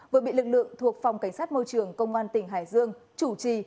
vừa bị lực lượng thuộc phòng cảnh sát môi trường công an tỉnh hải dương chủ trì